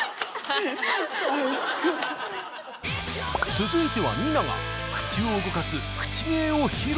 続いてはＮＩＮＡが口を動かす口芸を披露。